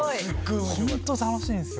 ホント楽しいんですよ。